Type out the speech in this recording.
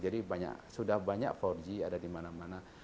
jadi sudah banyak empat g ada di mana mana